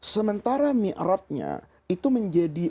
sementara mi'ratnya itu menjadi